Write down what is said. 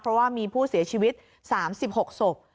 เพราะว่ามีผู้เสียชีวิต๓๖ศพ